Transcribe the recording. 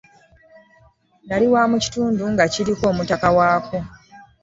Nnali wa mu kitundu nga nkirako omutaka waakwo.